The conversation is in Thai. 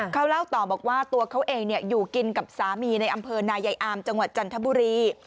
เขาเล่าต่อบอกว่าตัวเขาเองอยู่กินกับสามีในอำเภอนายายอามจังหวัดจันทบุรี